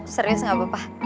serius gak bapak